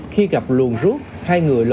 khi gặp luồng rút hai người lộn